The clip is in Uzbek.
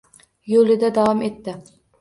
Yo‘lida davom etdi.